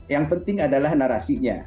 yang penting adalah narasinya